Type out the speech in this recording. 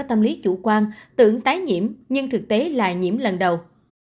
tâm lý chủ quan tưởng tái nhiễm nhưng thực tế là nhiễm lần đầu